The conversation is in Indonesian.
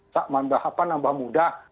tak menambah apa menambah mudah